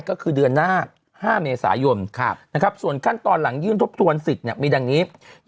ก็คือเดือนหน้า๕เมษายนส่วนขั้นตอนหลังยื่นทบทวนสิทธิ์มีดังนี้